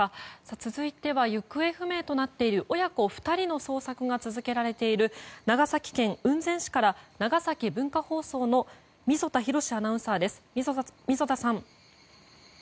続いては、行方不明となっている親子２人の捜索が続けられている長崎県雲仙市から長崎文化放送の溝田浩司アナウンサーです。